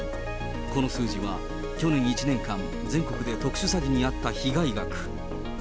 この数字は、去年１年間、全国で特殊詐欺にあった被害額。